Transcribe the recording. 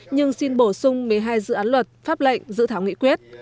nhưng xin bổ sung một mươi hai dự án luật pháp lệnh dự thảo nghị quyết